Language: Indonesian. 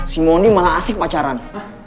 si mondi malah asik pacaran